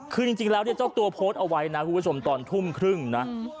คือจริงแล้วเนี่ยเจ้าตัวโพสต์เอาไว้นะคุณผู้ชมตอนทุ่มครึ่งนะ